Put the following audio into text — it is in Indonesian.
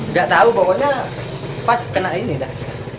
nggak tahu pokoknya pas kena ini dah